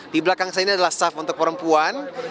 di belakang saya ini adalah saf untuk perempuan